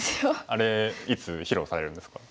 あれいつ披露されるんですか？